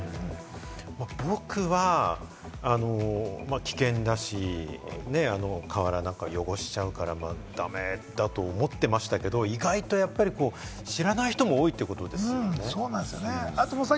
僕は危険だし、河原なんか汚しちゃうから、だめだと思ってましたけれども、意外とやっぱり知らない人も多いってことですよね。